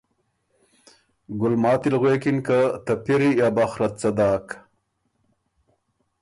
ګلماتی کی غوېکِن که ”ته پِری ا بخره ت څۀ داک“